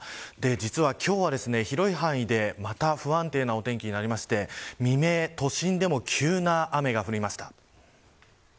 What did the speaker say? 実は今日は、広い範囲でまた、不安定なお天気となりまして未明、都心でも急な雨が降りました。